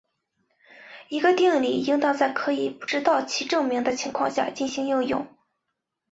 一个定理应当可以在不知道其证明的情况下进行应用。